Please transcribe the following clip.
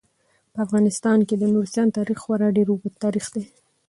په افغانستان کې د نورستان تاریخ خورا ډیر اوږد تاریخ دی.